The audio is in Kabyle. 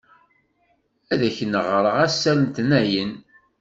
Ad ak-n-ɣṛeɣ ass Letnayen.